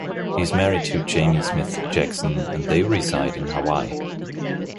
He is married to Jamie Smith Jackson, and they reside in Hawaii.